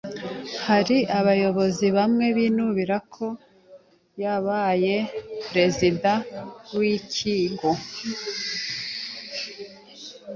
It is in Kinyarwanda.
Hariho abayobozi bamwe binubira ko yabaye perezida wikigo